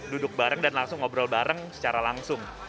duduk bareng dan langsung ngobrol bareng secara langsung